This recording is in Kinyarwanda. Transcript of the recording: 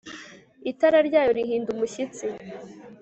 Itara ryayo rihinda umushyitsi